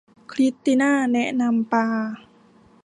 คริสติน่าแนะนำปลา